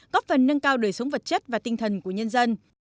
góp phần nâng cao đời sống vật chất và tinh thần của nhân dân